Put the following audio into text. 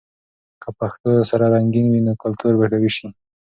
که پښتو له سره رنګین وي، نو کلتور به قوي سي.